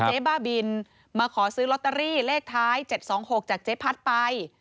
บ้าบินมาขอซื้อลอตเตอรี่เลขท้าย๗๒๖จากเจ๊พัดไป